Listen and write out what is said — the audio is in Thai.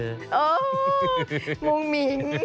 โอ้มุ่งหมิง